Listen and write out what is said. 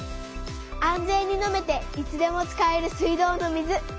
安全に飲めていつでも使える水道の水。